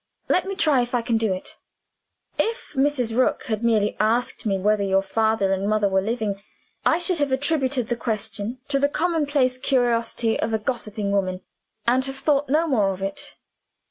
Let me try if I can do it. If Mrs. Rook had merely asked me whether your father and mother were living, I should have attributed the question to the commonplace curiosity of a gossiping woman, and have thought no more of it.